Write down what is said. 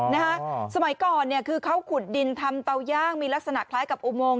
นะฮะสมัยก่อนเนี่ยคือเขาขุดดินทำเตาย่างมีลักษณะคล้ายกับอุโมง